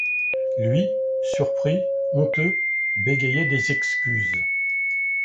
Lui, surpris, honteux, bégayait des excuses.